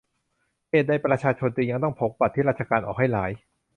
เหตุใดประชาชนถึงยังต้องพกบัตรที่ราชการออกให้หลาย